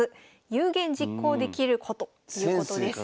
有言実行できる子ということです。